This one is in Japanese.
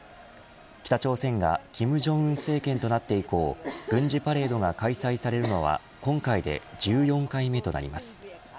北朝鮮が金正恩政権となって以降軍事パレードが開催されるのは今回で１４回目となります。